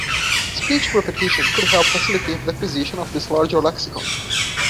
Speech repetition could help facilitate the acquisition of this larger lexicon.